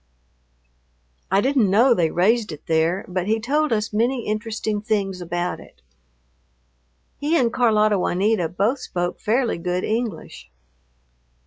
I didn't know they raised it there, but he told us many interesting things about it. He and Carlota Juanita both spoke fairly good English.